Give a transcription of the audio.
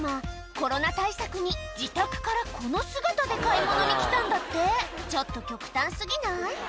コロナ対策に自宅からこの姿で買い物に来たんだってちょっと極端過ぎない？